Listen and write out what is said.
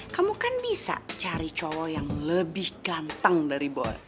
kamu kan bisa cari cowok yang lebih ganteng dari bola